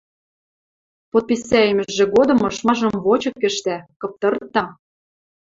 Подписӓйӹмӹжӹ годым ышмажым вочык ӹштӓ, кыптырта.